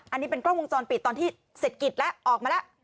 อันนี้เป็นกล้องวงจรปิดตอนที่เศรษฐกิจแล้วออกมาแล้ว